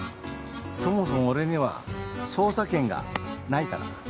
そもそも俺には捜査権がないから。